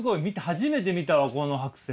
初めて見たわこの剥製。